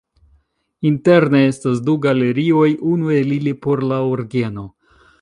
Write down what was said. Interne estas du galerioj, unu el ili por la orgeno.